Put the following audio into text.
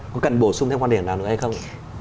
có cần bổ sung thêm quan điểm nào nữa hay không